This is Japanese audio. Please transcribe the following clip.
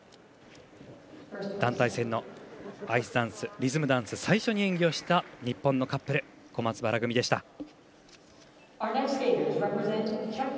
団体戦のアイスダンスリズムダンス最初に演技をした日本のカップル小松原組でした。